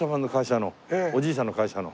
おじいさんの会社の。